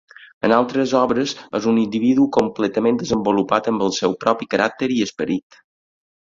En altres obres és un individu completament desenvolupat amb el seu propi caràcter i esperit.